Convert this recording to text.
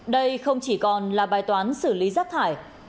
đây không chỉ còn là bài toán xử lý rác thải